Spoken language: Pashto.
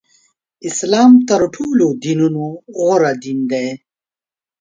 اسلام تر ټولو دینونو غوره دین دی.